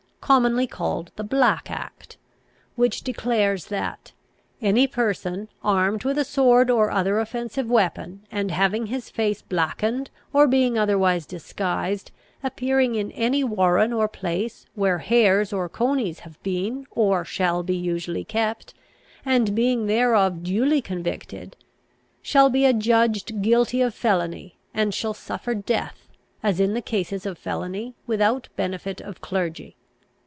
commonly called the Black Act, which declares that "any person, armed with a sword, or other offensive weapon, and having his face blackened, or being otherwise disguised, appearing in any warren or place where hares or conies have been or shall be usually kept, and being thereof duly convicted, shall be adjudged guilty of felony, and shall suffer death, as in cases of felony, without benefit of clergy."